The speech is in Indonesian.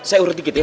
saya urut dikit ya